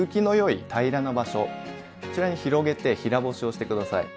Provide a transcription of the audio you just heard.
こちらに広げて平干しをして下さい。